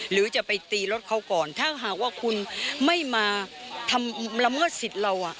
หรือจะไปตีรถเขาก่อนถ้าหากว่าคุณไม่มาทำละเมิดสิทธิ์เรา